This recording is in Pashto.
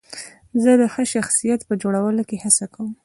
زه د ښه شخصیت په جوړولو کې هڅه کوم.